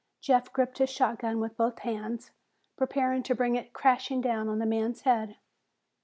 Jeff gripped his shotgun with both hands, preparing to bring it crashing down on the man's head.